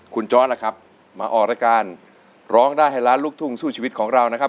คุณจอร์ดล่ะครับมาออกรายการร้องได้ให้ล้านลูกทุ่งสู้ชีวิตของเรานะครับ